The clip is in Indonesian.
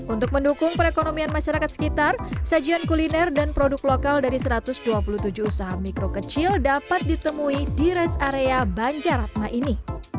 untuk mendukung perekonomian masyarakat sekitar sajian kuliner dan produk lokal dari satu ratus dua puluh tujuh usaha mikro kecil dapat ditemui di rest area banjaratma ini